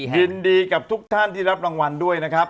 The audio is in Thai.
ยินดีกับทุกท่านที่รับรางวัลด้วยนะครับ